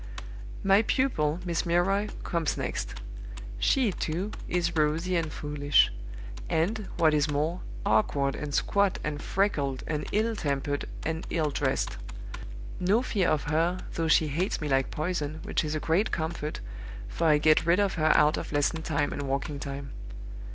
"My pupil, Miss Milroy, comes next. She, too, is rosy and foolish; and, what is more, awkward and squat and freckled, and ill tempered and ill dressed. No fear of her, though she hates me like poison, which is a great comfort, for I get rid of her out of lesson time and walking time.